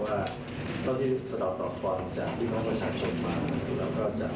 ในชั้นต้นก็มีหลายภาคการณ์มันเห็นว่าเจริญศนาโรงประกาศส่วนที่ดำเนินการตรงนี้